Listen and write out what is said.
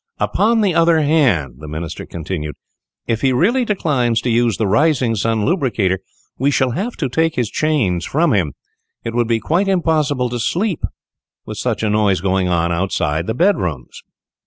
"Upon the other hand," he continued, "if he really declines to use the Rising Sun Lubricator, we shall have to take his chains from him. It would be quite impossible to sleep, with such a noise going on outside the bedrooms."